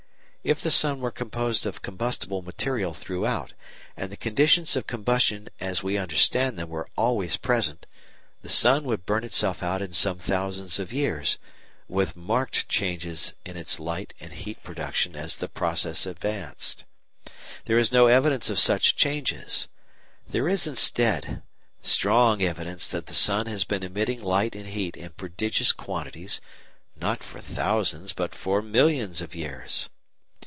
If the sun were composed of combustible material throughout and the conditions of combustion as we understand them were always present, the sun would burn itself out in some thousands of years, with marked changes in its heat and light production as the process advanced. There is no evidence of such changes. There is, instead, strong evidence that the sun has been emitting light and heat in prodigious quantities, not for thousands, but for millions of years.